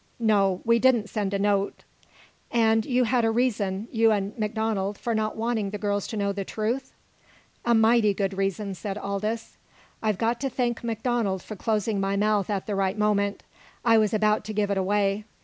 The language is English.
"No, we didn't send a note." "And you had a reason you and MacDonald for not wanting the girls to know the truth?" "A mighty good reason," said Aldous. "I've got to thank MacDonald for closing my mouth at the right moment. I was about to give it away.